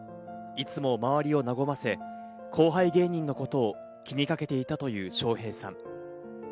いつも周りを和ませ、後輩芸人のことを気にかけていたという笑瓶さん。